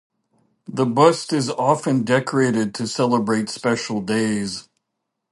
The bust is often decorated to celebrate special days.